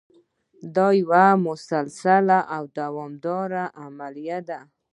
دا یوه مسلسله او دوامداره عملیه ده.